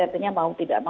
artinya mau tidak mau